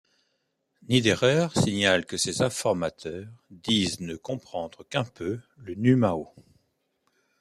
Niederer signale que ses informateurs disent ne comprendre qu'un peu le numao.